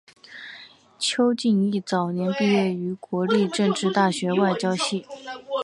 邱进益早年毕业于国立政治大学外交系。